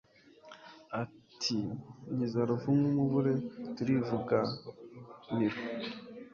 ati «nkiza ruvumu muvure turivuganara»